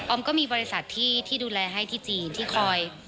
ก็มีบริษัทที่ดูแลให้ที่จีนที่คอย